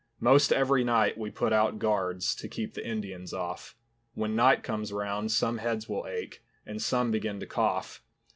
Most every night we put out guards To keep the Indians off. When night comes round some heads will ache, And some begin to cough.